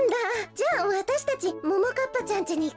じゃあわたしたちももかっぱちゃんちにいくとちゅうだから。